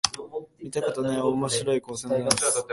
見たことない面白い構成のダンス